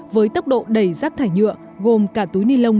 với tốc độ đầy rác thải nhựa gồm cả túi nilon